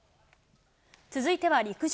続いては陸上。